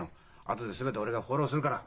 あとで全て俺がフォローするから。